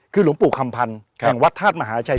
คือหลวงปู่คำพันธ์แห่งวัดธาตุมหาชัย